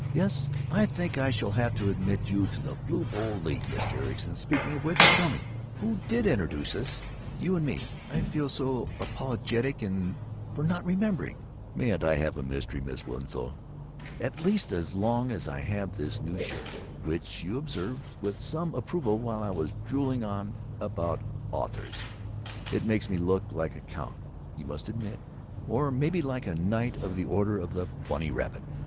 "Yes, I think I shall have to admit you to the Blue Bowl League, Mr. Ericson. Speaking of which——Tell me, who did introduce us, you and me? I feel so apologetic for not remembering." "Mayn't I be a mystery, Miss Winslow? At least as long as I have this new shirt, which you observed with some approval while I was drooling on about authors? It makes me look like a count, you must admit. Or maybe like a Knight of the Order of the Bunny Rabbit.